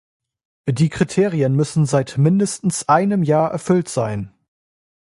Die Kriterien müssen seit mindestens einem Jahr erfüllt sein.